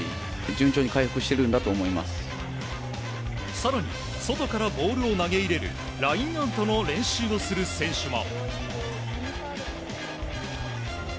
更に外からボールを投げ入れるラインアウトの練習をする選手も。